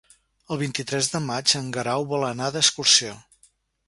El vint-i-tres de maig en Guerau vol anar d'excursió.